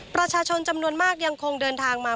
ประชาชนจำนวนมากยังคงเดินทางมา